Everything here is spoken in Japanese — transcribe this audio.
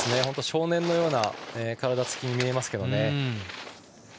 少年のような体つきに見えますけどね。